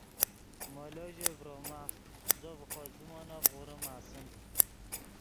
مولو ژے ڤروما زو ڤے خوئے زیمونف غوریم آسیم